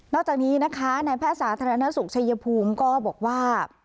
จากนี้นะคะนายแพทย์สาธารณสุขชัยภูมิก็บอกว่า